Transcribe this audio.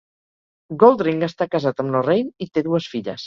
Goldring està casat amb Lorraine i té dues filles.